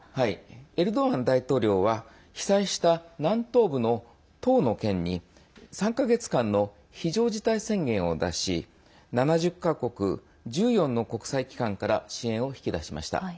エルドアン大統領は被災した南東部の１０の県に３か月間の非常事態宣言を出し７０か国、１４の国際機関から支援を引き出しました。